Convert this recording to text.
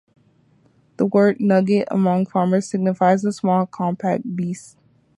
The word nugget among farmers signifies a small compact beast.